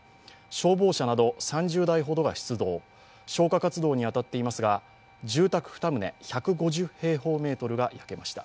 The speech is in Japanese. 消防車など３０台ほどが出動消火活動に当たっていますが住宅２棟、１５０平方メートルが焼けました。